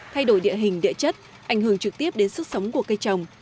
thay đổi địa hình địa chất ảnh hưởng trực tiếp đến sức sống của cây trồng